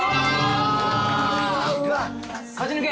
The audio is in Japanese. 勝ち抜け。